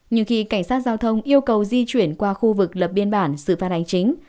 nhưng khi cảnh sát giao thông yêu cầu di chuyển qua khu vực lập biên bản xử phạt hành chính